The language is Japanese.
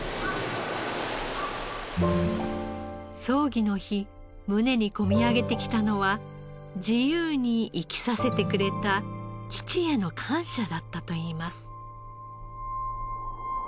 葬儀の日胸に込み上げてきたのは自由に生きさせてくれた父への感謝だったといいます。